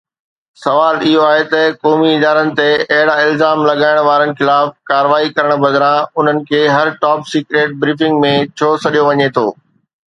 سوال اهو آهي ته قومي ادارن تي اهڙا الزام لڳائڻ وارن خلاف ڪارروائي ڪرڻ بدران انهن کي هر ٽاپ سيڪريٽ بريفنگ ۾ ڇو سڏيو وڃي ٿو؟